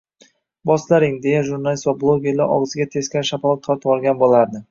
boslaring» deya jurnalist va blogerlar og‘ziga teskari shapaloq tortvorgan bo‘lardi.